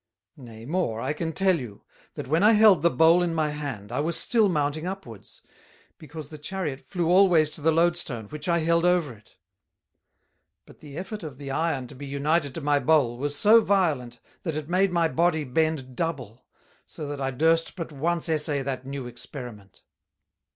Nay more, I can tell you, that when I held the Bowl in my hand, I was still mounting upwards; because the Chariot flew always to the Load stone, which I held over it. But the effort of the Iron to be united to my Bowl, was so violent that it made my Body bend double; so that I durst but once essay that new Experiment.